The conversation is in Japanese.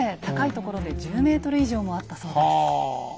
高いところで１０ｍ以上もあったそうです。